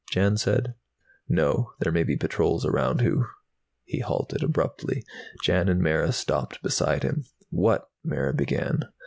Jan said. "No. There may be patrols around who " He halted abruptly. Jan and Mara stopped beside him. "What " Mara began.